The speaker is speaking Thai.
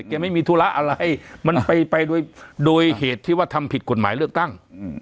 ไม่มีธุระอะไรมันไปโดยเหตุที่ว่าทำผิดกฎหมายเลือกตั้ง